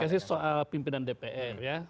psis soal pimpinan dpr ya